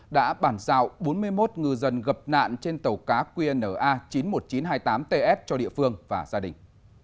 đã bản giao bốn mươi một ngư dân gặp nạn trên tàu cá qna chín mươi một nghìn chín trăm hai mươi tám ts cho địa phương và gia đình